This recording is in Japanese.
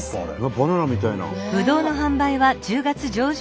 バナナみたいな。